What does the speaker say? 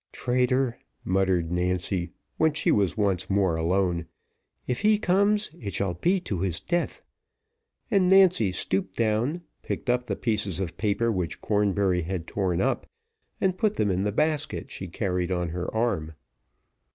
"Traitor," muttered Nancy, when she was once more alone. "If he comes, it shall be to his death;" and Nancy stooped down, picked up the pieces of paper which Cornbury had torn up, and put them in the basket she carried on her arm.